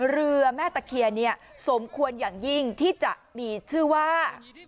เรือแม่ตะเคียนเนี่ยสมควรอย่างยิ่งที่จะมีชื่อว่า